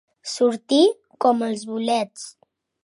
Sortir com els bolets.